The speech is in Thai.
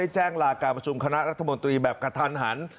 แจ้งลาการประชุมคณะรัฐมนตรีแบบกระทันหัน